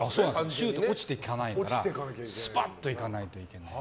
シュート落ちていかないからスパッといかないと。